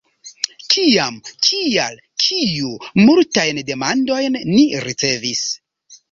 “Kiam?” “Kial?” “Kiu?” Multajn demandojn ni ricevis.